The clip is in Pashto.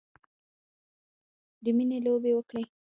د میینې لوبې وکړې